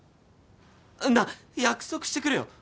なあ約束してくれよ。